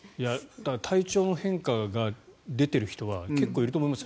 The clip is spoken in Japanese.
体調の変化が出ている人は結構いると思います。